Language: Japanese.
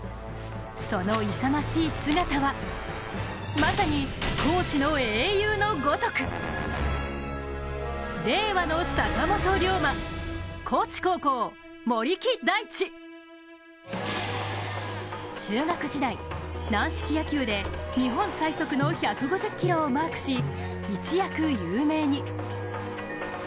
その勇ましい姿はまさに高知の英雄のごとく中学時代、軟式野球で日本最速の１５０キロをマークし一躍有名に。